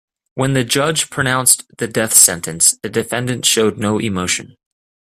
When the judge pronounced the death sentence, the defendant showed no emotion.